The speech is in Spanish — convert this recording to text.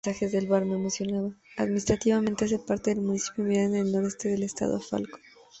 Administrativamente hace parte del Municipio Miranda en el noroeste del Estado Falcón.